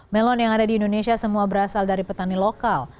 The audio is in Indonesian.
melon yang ada di indonesia semua berasal dari petani lokal